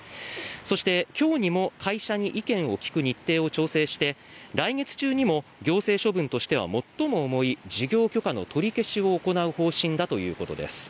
そして今日にも会社に意見を聞く日程を調整して来月中にも行政処分としては最も重い事業許可の取り消しを行う方針だということです。